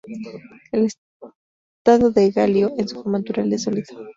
El estado del galio en su forma natural es sólido.